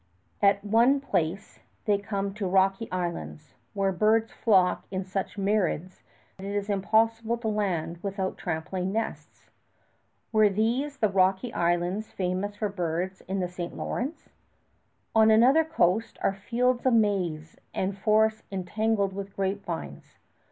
At one place they come to rocky islands, where birds flock in such myriads it is impossible to land without trampling nests. Were these the rocky islands famous for birds in the St. Lawrence? On another coast are fields of maize and forests entangled with grapevines.